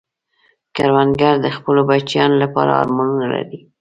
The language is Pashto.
کروندګر د خپلو بچیانو لپاره ارمانونه لري